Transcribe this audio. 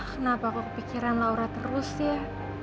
kenapa kok kepikiran laura terus ya